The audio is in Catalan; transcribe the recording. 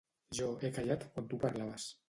Jo he callat quan tu parlaves.